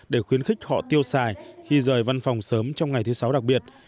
để khuyến khích họ tiêu xài khi rời văn phòng sớm trong ngày thứ sáu đặc biệt